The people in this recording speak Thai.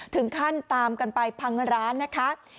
ถึงขั้นตามกันไปพังร้านนะคะ